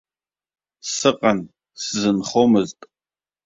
Сыҟан, сзынхомызт.